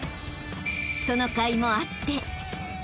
［そのかいもあって］